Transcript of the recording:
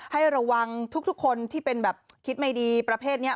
ให้ระวังทุกคนที่เป็นแบบคิดไม่ดีประเภทนี้